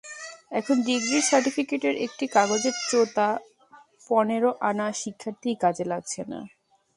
এখন ডিগ্রির সার্টিফিকেটের একটি কাগজের চোতা পনেরো আনা শিক্ষার্থীরই কাজে লাগছে না।